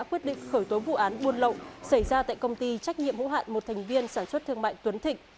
quyết định khởi tố vụ án buôn lậu xảy ra tại công ty trách nhiệm hữu hạn một thành viên sản xuất thương mại tuấn thịnh